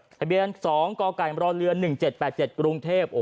ทะเบียน๒กกรเรือ๑๗๘๗กรุงเทพ